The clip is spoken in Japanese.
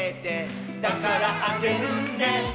「だからあげるね」